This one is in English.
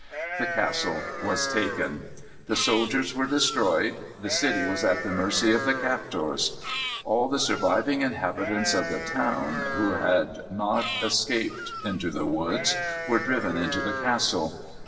The castle was taken. The soldiers were destroyed. The city was at the mercy of the captors. All the surviving inhabitants of the town, who had not escaped into the woods, were driven into the castle.